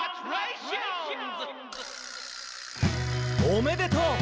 「おめでとう！」